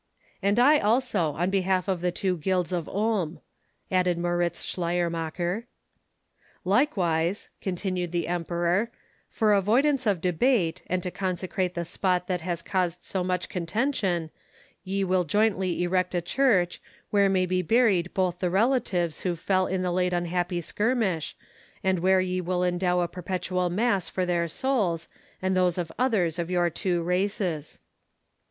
"And I, also, on behalf of the two guilds of Ulm," added Moritz Schleiermacher. "Likewise," continued the Emperor, "for avoidance of debate, and to consecrate the spot that has caused so much contention, ye will jointly erect a church, where may be buried both the relatives who fell in the late unhappy skirmish, and where ye will endow a perpetual mass for their souls, and those of others of your two races."